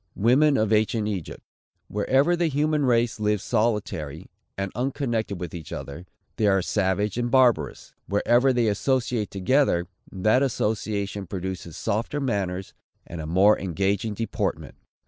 WOMEN OF ANCIENT EGYPT. Wherever the human race live solitary, and unconnected with each other, they are savage and barbarous. Wherever they associate together, that association produces softer manners and a more engaging deportment.